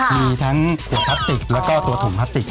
มีทั้งขวดพลาสติกแล้วก็ตัวถุงพลาสติก